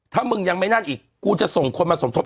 ถ้ามึงยังไม่นั่นอีกกูจะส่งคนมาสมทบ